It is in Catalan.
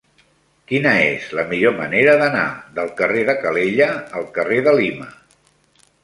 Quina és la millor manera d'anar del carrer de Calella al carrer de Lima?